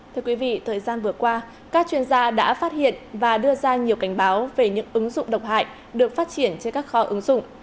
thưa quý vị thời gian vừa qua các chuyên gia đã phát hiện và đưa ra nhiều cảnh báo về những ứng dụng độc hại được phát triển trên các kho ứng dụng